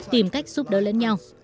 tìm cách giúp đỡ lẫn nhau